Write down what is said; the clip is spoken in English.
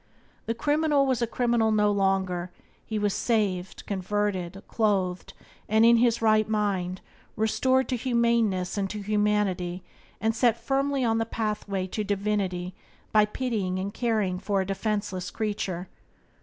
The criminal was a criminal no longer; he was saved, converted; clothed, and in his right mind; restored to humaneness and to humanity, and set firmly on the pathway to divinity by pitying and caring for a defenceless creature.